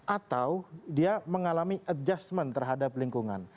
atau dia mengalami adjustment terhadap lingkungan